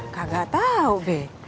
kagak tau be